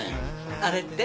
あれって？